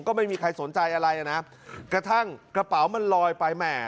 ก็ไม่มีใครสนใจอะไรนะกระทั่งกระเป๋ามันลอยไปแหม่